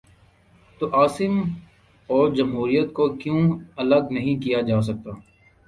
تو عاصم اور جمہوریت کو کیوں الگ نہیں کیا جا سکتا؟